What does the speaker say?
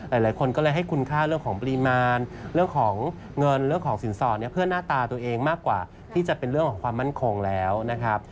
หลายคนก็เลยให้คุณค่าเรื่องของปริมาณเรื่องของเงินเรื่องของสินสอดเนี่ยเพื่อหน้าตาตัวเองมากกว่าที่จะเป็นเรื่องของความมั่นคงแล้วนะครับ